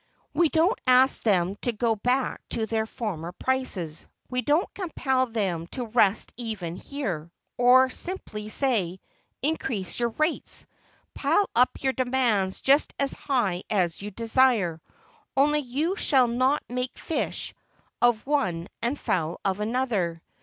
We don't ask them to go back to their former prices; we don't compel them to rest even here; we simply say, increase your rates, pile up your demands just as high as you desire, only you shall not make fish of one and fowl of another.